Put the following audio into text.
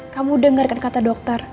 kamu denger kan kata dokter